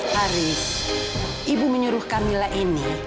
haris ibu menyuruh kamila ini